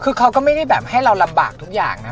คือเขาก็ไม่ได้แบบให้เราลำบากทุกอย่างนะ